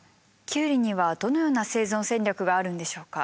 キュウリにはどのような生存戦略があるんでしょうか？